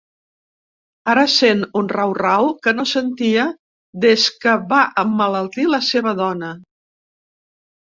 Ara sent un rau-rau que no sentia des que va emmalaltir la seva dona.